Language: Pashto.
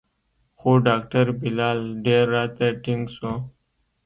خو ډاکتر بلال ډېر راته ټينګ سو.